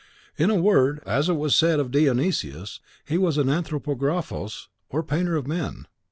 In a word, as it was said of Dionysius, he was an Anthropographos, or Painter of Men.